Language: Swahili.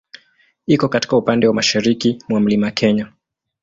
Iko katika upande wa mashariki mwa Mlima Kenya.